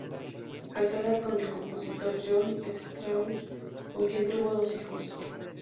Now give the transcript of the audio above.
Casada con el compositor John Strauss, con quien tuvo dos hijos.